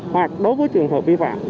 hoặc đối với trường hợp vi phạm